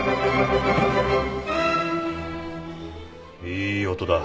いい音だ。